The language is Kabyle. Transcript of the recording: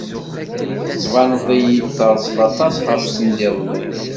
Tettbaneḍ-iyi-d terseḍ aṭas ɣef send iḍelli.